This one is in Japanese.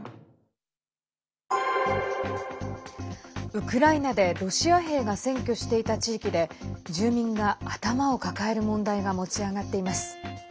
ウクライナでロシア兵が占拠していた地域で住民が頭を抱える問題が持ち上がっています。